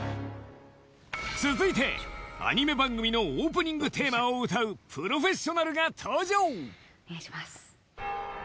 続いてアニメ番組のオープニングテーマを歌うプロフェッショナルが登場お願いします。